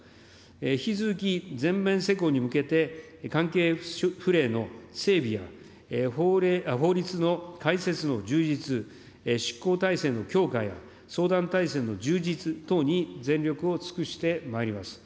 引き続き全面施行に向けて、関係ふれいの整備や、法律の開設の充実、執行体制の強化や相談体制の充実等に全力を尽くしてまいります。